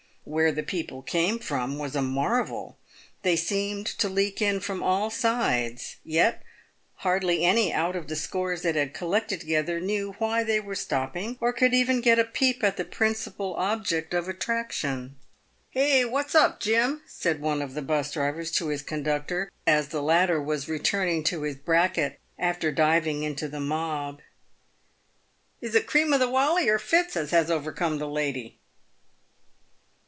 Where the people came from was a marvel. They seemed to leak in from all sides. Yet hardly any out of the scores that had collected together knew why they were stopping, or could even get a peep at the principal object of attraction. " What's up, Jim ?" said one of the 'bus drivers to his conductor, as the latter was returning to his bracket after diving into tho mob. " Is it cream o' the walley or fits as has overcome the lady